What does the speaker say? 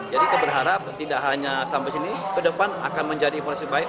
jadi kita berharap tidak hanya sampai sini ke depan akan menjadi event yang sebaik